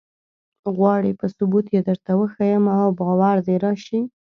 غواړې په ثبوت یې درته وښیم او باور دې راشي.